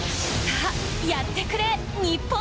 さあ、やってくれ、日本。